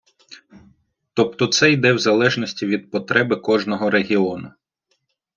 Тобто це йде в залежності від потреби кожного регіону.